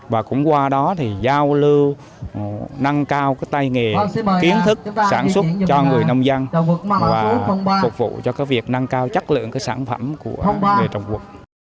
và cũng qua đó thì giao lưu nâng cao cái tay nghề kiến thức sản xuất cho người nông dân và phục vụ cho cái việc nâng cao chất lượng cái sản phẩm của người trong quận